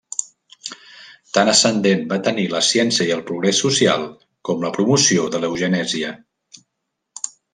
Tant ascendent va tenir la ciència i el progrés social com la promoció de l'eugenèsia.